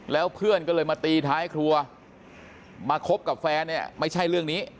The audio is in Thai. แล้วเพื่อนก็เลยมาตีท้ายครัวมาคบกับแฟนเนี่ยไม่ใช่เรื่องนี้